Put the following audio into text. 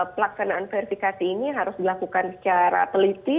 pelaksanaan verifikasi ini harus dilakukan secara teliti